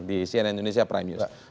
di cnn indonesia prime news